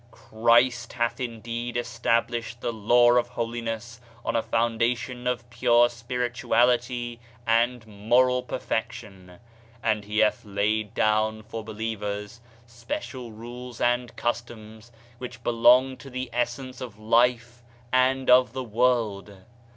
Christ hath indeed established the Law of Holiness on a foundation of pure spirituality and moral perfection; and he hath laid down for be lievers special rules and customs which belong to the essence of life and of the world.